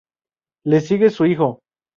Le sigue su hijo.